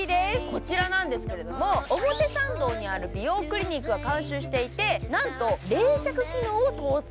こちらなんですけれども、表参道にある美容クリニックが監修していて、なんと冷却機能を搭載。